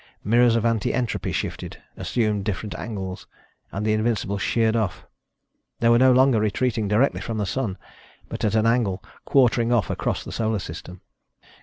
Mirrors of anti entropy shifted, assumed different angles, and the Invincible sheered off. They were no longer retreating directly from the Sun, but at an angle quartering off across the Solar System.